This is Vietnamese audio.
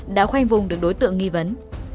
đã khoanh vùng được đối tượng nghi vấn